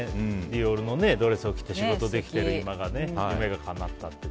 ディオールのドレスを着て仕事できている今が夢がかなったって。